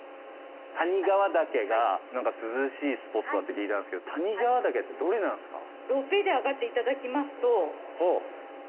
谷川岳が涼しいスポットだって聞いたんですけど谷川岳ってどれなんすか？